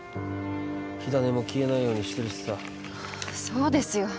火種も消えないようにしてるしさそうですよ